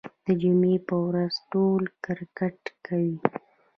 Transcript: د جمعې په ورځ ټول کرکټ کوي.